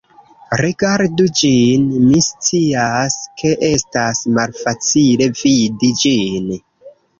Rigardu ĝin, mi scias, ke estas malfacile vidi ĝin